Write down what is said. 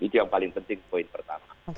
itu yang paling penting poin pertama